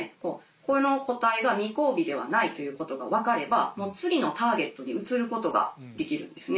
この個体が未交尾ではないということが分かれば次のターゲットに移ることができるんですね。